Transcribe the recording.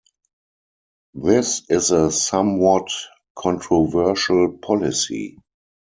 This is a somewhat controversial policy.